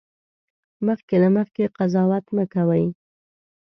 مخکې له مخکې قضاوت مه کوئ